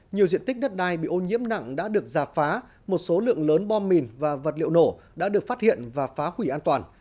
nhiều diện tích đất đai bị ô nhiễm nặng đã được giả phá một số lượng lớn bom mìn và vật liệu nổ đã được phát hiện và phá hủy an toàn